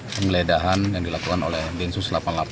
penggeledahan yang dilakukan oleh densus delapan puluh delapan